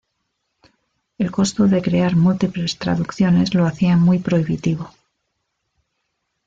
El costo de crear múltiples traducciones lo hacía muy prohibitivo.